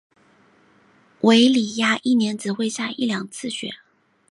韦里亚一年只会下一两次雪。